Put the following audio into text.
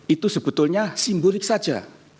itu sebetulnya simbolik saja